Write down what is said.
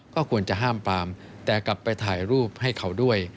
ก็ควรจะห้ามปามแต่กลับไปถ่ายรูปให้เขาด้วย